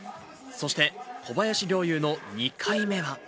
そして小林陵侑の２回目は。